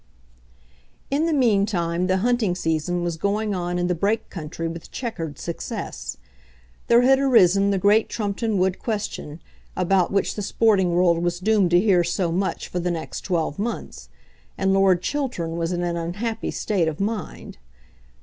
In the meantime the hunting season was going on in the Brake country with chequered success. There had arisen the great Trumpeton Wood question, about which the sporting world was doomed to hear so much for the next twelve months, and Lord Chiltern was in an unhappy state of mind.